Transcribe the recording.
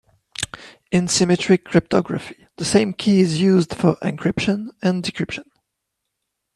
In symmetric cryptography the same key is used for encryption and decryption.